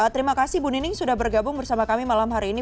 terima kasih bu nining sudah bergabung bersama kami malam hari ini